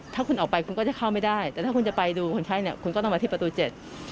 ถ้าคุณออกไปคุณก็จะเข้าไม่ได้แต่ถ้าคุณจะไปดูคนไข้เนี่ยคุณก็ต้องมาที่ประตูเจ็ด